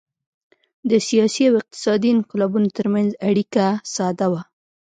د سیاسي او اقتصادي انقلابونو ترمنځ اړیکه ساده وه